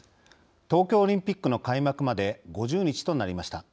東京オリンピックの開幕まで５０日となりました。